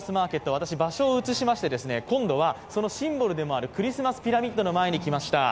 私、場所を移しまして、今度はそのシンボルでもあるクリスマスピラミッドの前に来ました。